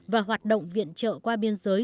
và hoạt động viện trợ qua biên giới